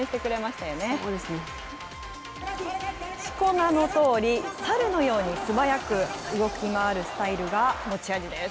しこ名のとおり、猿のように素早く動き回るスタイルが持ち味です。